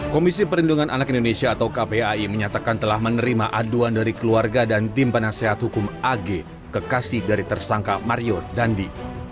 komisi perlindungan anak indonesia atau kpai menyatakan telah menerima aduan dari keluarga dan tim penasehat hukum ag kekasih dari tersangka mario dandi